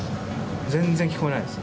全然聞こえないです。